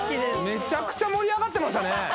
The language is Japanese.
めちゃくちゃ盛り上がってました